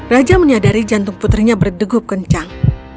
raja menyadari jantung putrinya berdegup kencang